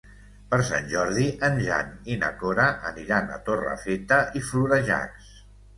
Per Sant Jordi en Jan i na Cora aniran a Torrefeta i Florejacs.